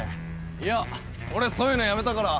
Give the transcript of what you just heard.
いや俺そういうのやめたから。